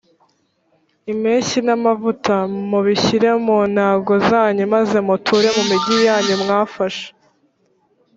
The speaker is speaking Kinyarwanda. impeshyi n’amavuta mubishyire mu ntango zanyu maze muture mu migi yanyu mwafashe